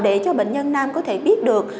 để cho bệnh nhân nam có thể biết được